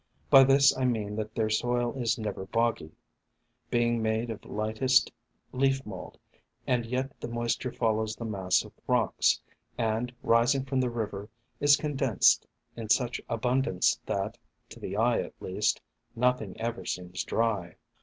By this I mean that the soil is never boggy, being made of lightest leaf mold, and yet the moisture follows the mass of rocks, and rising from the river, is condensed in such abundance that, to the eye at least, nothing ever seems dry.